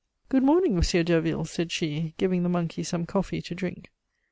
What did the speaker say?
"Good morning, Monsieur Derville," said she, giving the monkey some coffee to drink.